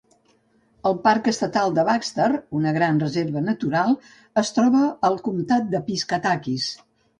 El Parc Estatal de Baxter, una gran reserva natural, es troba al comtat de Piscataquis.